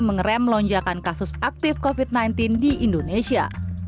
mengerem lonjakan kasus aktif covid sembilan belas di indonesia